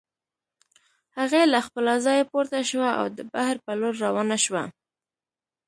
هغې له خپله ځايه پورته شوه او د بهر په لور روانه شوه.